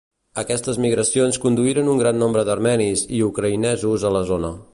Aquestes migracions conduïren un gran nombre d'armenis i ucraïnesos a la zona.